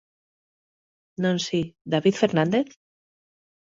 Non si, David Fernández?